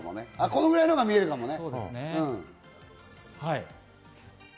このくらいのほうが見えるかもね。